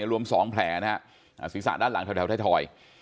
รวม๒แผลนะฮะศีรษะด้านหลังแถวไทยทอย